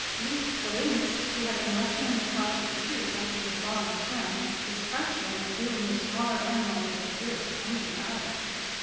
Loup the Lynx, who had been resting in the crotch of a tree after his long swim, was crouching and viewing the smaller animals with fierce, hungry eyes.